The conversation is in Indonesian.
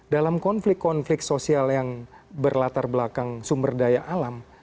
dalam konflik konflik sosial yang berlatar belakang sumber daya alam